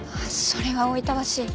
それはおいたわしい。